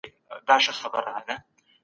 سیاستوال ولي د سولي تړونونه لاسلیک کوي؟